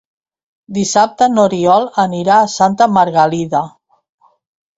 Dissabte n'Oriol anirà a Santa Margalida.